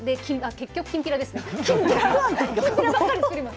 結局きんぴらですね。